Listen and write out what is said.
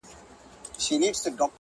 بخت دي تور عقل کوټه دی خدای لیدلی،